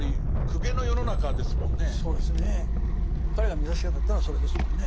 彼が目指したかったのはそれですもんね。